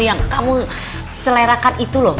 yang kamu selerakan itu loh